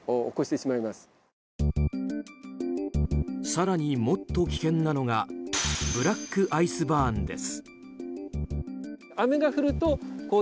更に、もっと危険なのがブラックアイスバーンです。